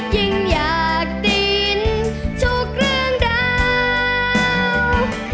ยิ่งอยากได้ยินทุกเรื่องราว